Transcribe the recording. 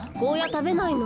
たべないの？